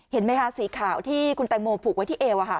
เห็นไหมคะสีขาวที่คุณแตงโมผูกไว้ที่เอว